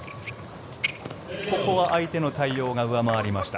ここは相手の対応が上回りました。